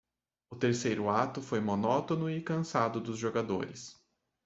O terceiro ato foi monótono e cansado dos jogadores.